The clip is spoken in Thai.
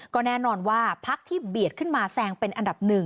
ก็แน่นอนว่าพักที่เบียดขึ้นมาแซงเป็นอันดับ๑